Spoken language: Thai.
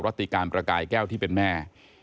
ติการประกายแก้วที่เป็นแม่